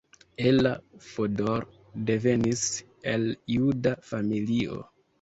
Ella Fodor devenis el juda familio.